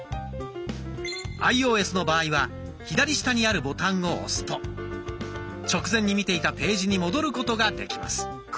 アイオーエスの場合は左下にあるボタンを押すと直前に見ていたページに戻ることができます。